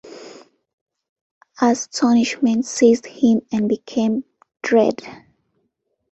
Astonishment seized him and became — dread!